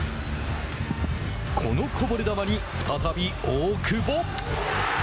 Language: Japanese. このこぼれ球に再び大久保。